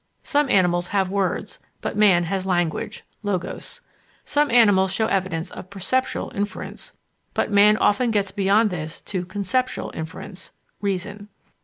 Some animals have words, but man has language (Logos). Some animals show evidence of perceptual inference, but man often gets beyond this to conceptual inference (Reason).